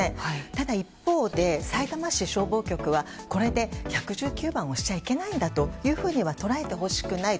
ただ一方で、さいたま市消防局はこれで１１９番をしちゃいけないんだとは捉えてほしくない